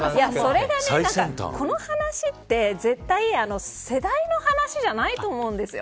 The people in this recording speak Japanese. この話って絶対世代の話じゃないと思うんですよ。